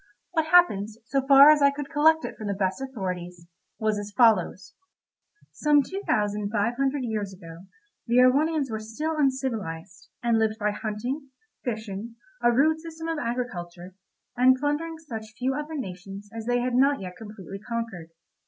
What happened, so far as I could collect it from the best authorities, was as follows: Some two thousand five hundred years ago the Erewhonians were still uncivilised, and lived by hunting, fishing, a rude system of agriculture, and plundering such few other nations as they had not yet completely conquered.